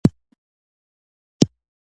متل د بشپړې جملې په بڼه وي